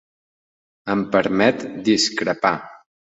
Em permet discrepar